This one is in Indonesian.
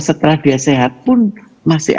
setelah dia sehat pun masih